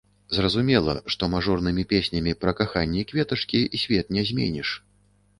Зразумела, што мажорнымі песнямі пра каханне і кветачкі свет не зменіш.